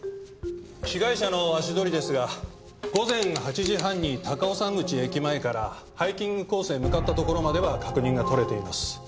被害者の足取りですが午前８時半に高尾山口駅前からハイキングコースへ向かったところまでは確認が取れています。